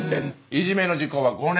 いじめの時効は５年。